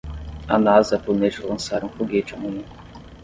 A Nasa planeja lançar um foguete amanhã.